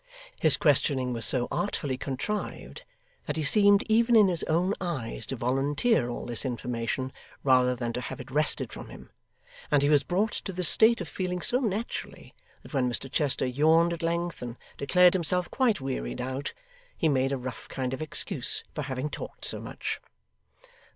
His questioning was so artfully contrived, that he seemed even in his own eyes to volunteer all this information rather than to have it wrested from him; and he was brought to this state of feeling so naturally, that when Mr Chester yawned at length and declared himself quite wearied out, he made a rough kind of excuse for having talked so much.